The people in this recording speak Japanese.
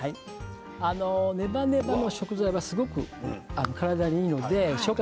ネバネバの食材はすごく体にいいので消化